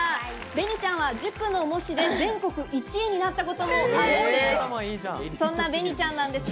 べにちゃんは塾の模試で全国１位になったこともあるんです。